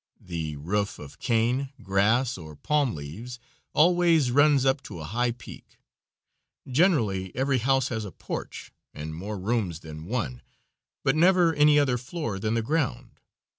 The roof, of cane, grass, or palm leaves, always runs up to a high peak. Generally every house has a porch and more rooms than one, but never any other floor than the ground.